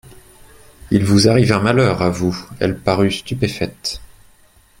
Il vous arrive un malheur, à vous !… Elle parut stupéfaite.